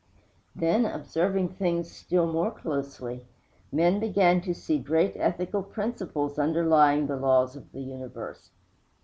_' Then, observing things still more closely, men began to see great ethical principles underlying the laws of the universe.